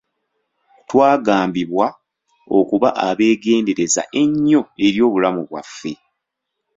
Twagambibwa okuba abeegendereza ennyo eri obulamu bwaffe.